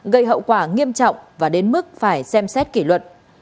gây hậu quả nghiêm trọng và đến mức phải xem xét kỷ luật